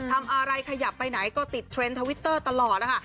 ทำอะไรขยับไปไหนก็ติดเทรนด์ทวิตเตอร์ตลอดนะคะ